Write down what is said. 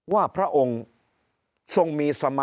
ว่าพระองค์ทรงมีสมธิอย่างนั้น